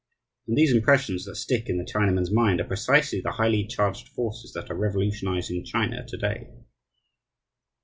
And these impressions that stick in the Chinaman's mind are precisely the highly charged forces that are revolutionizing China to day.